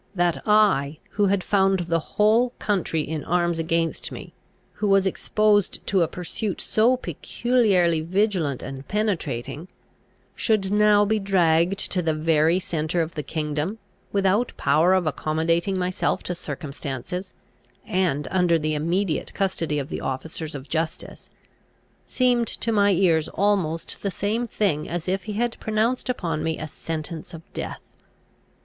That I, who had found the whole country in arms against me, who was exposed to a pursuit so peculiarly vigilant and penetrating, should now be dragged to the very centre of the kingdom, without power of accommodating myself to circumstances, and under the immediate custody of the officers of justice, seemed to my ears almost the same thing as if he had pronounced upon me a sentence of death!